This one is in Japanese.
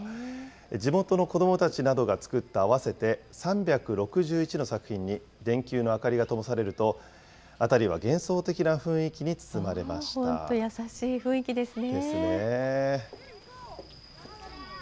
地元の子どもたちなどが作った合わせて３６１の作品に電球の明かりがともされると、辺りは幻想的な雰囲気に包まれました。ですね。